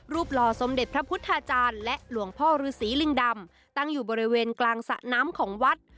หล่อสมเด็จพระพุทธาจารย์และหลวงพ่อฤษีลิงดำตั้งอยู่บริเวณกลางสระน้ำของวัด